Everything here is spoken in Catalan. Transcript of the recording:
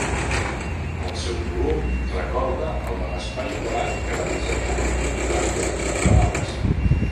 El seu volum recorda el de l'espai ovalat que va dissenyar Miquel Àngel per a la plaça.